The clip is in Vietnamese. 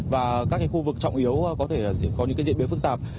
và các cái khu vực trọng yếu có thể có những cái diễn biến phức tạp